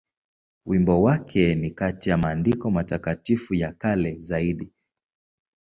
Wimbo wake ni kati ya maandiko matakatifu ya kale zaidi.